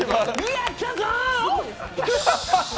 やったぞー！